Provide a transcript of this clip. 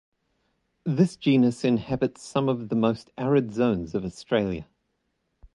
This genus inhabits some of the most arid zones of Australia.